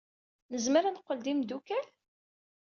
Nezmer ad neqqel d imeddukal?